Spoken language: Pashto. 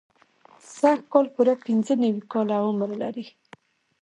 سږ کال پوره پنځه نوي کاله عمر لري.